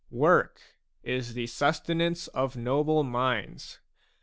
" Work is the sustenance of noble minds.